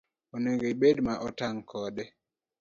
Onego ibed ma otang' kode